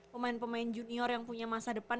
pemain pemain junior yang punya masa depan